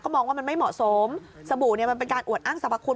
มองว่ามันไม่เหมาะสมสบู่เนี่ยมันเป็นการอวดอ้างสรรพคุณ